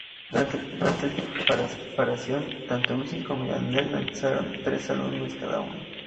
Durante el tiempo de separación, tanto Wisin como Yandel lanzaron tres álbumes cada uno.